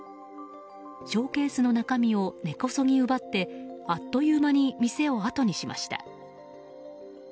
ショーケースの中身を根こそぎ奪って、あっという間に店をあとにしました。